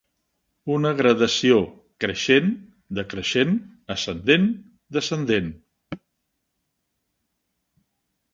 Una gradació creixent, decreixent, ascendent, descendent.